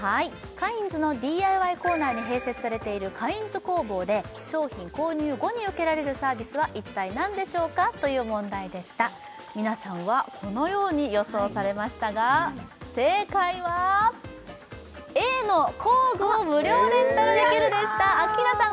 カインズのＤＩＹコーナーに併設されているカインズ工房で商品購入後に受けられるサービスは一体何でしょうか？という問題でした皆さんはこのように予想されましたが正解はＡの工具を無料レンタルできるでしたアッキーナさん